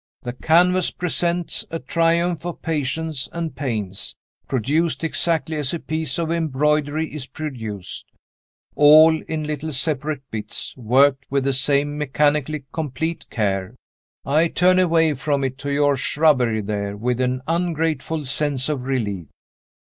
That canvas presents a triumph of patience and pains, produced exactly as a piece of embroidery is produced, all in little separate bits, worked with the same mechanically complete care. I turn away from it to your shrubbery there, with an ungrateful sense of relief."